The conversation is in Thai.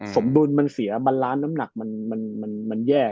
สมดุลมันเสียมันล้านน้ำหนักมันแย่